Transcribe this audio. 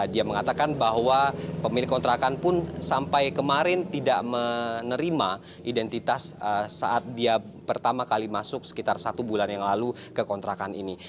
dia mengatakan bahwa pemilik kontrakan pun sampai kemarin tidak menerima identitas saat dia pertama kali masuk sekitar satu bulan yang lalu ke kontrakan ini